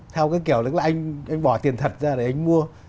theo cái kiểu là anh bỏ tiền thật ra để anh mua